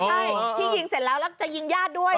ใช่ที่ยิงเสร็จแล้วแล้วจะยิงญาติด้วย